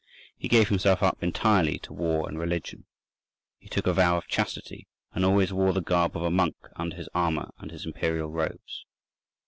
He gave himself up entirely to war and religion: he took a vow of chastity, and always wore the garb of a monk under his armour and his imperial robes.